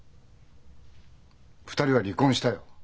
２人は離婚したよ。